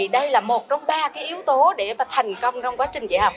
đây là một trong ba yếu tố để thành công trong quá trình dạy học